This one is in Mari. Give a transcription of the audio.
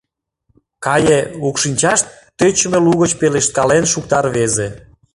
Кае... — укшинчаш тӧчымӧ лугыч пелешткален шукта рвезе.